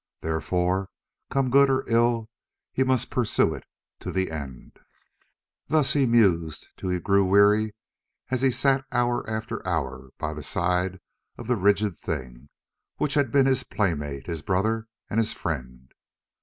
Therefore, come good or ill, he must pursue it to the end. Thus he mused till he grew weary as he sat hour after hour by the side of that rigid thing, which had been his playmate, his brother, and his friend.